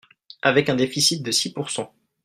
Avec un déficit de six pourcent